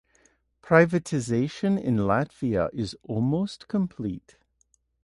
Privatisation in Latvia is almost complete.